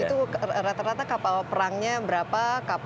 itu rata rata kapal perangnya berapa